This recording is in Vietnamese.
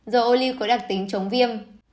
dầu ô lưu có đặc tính chống viêm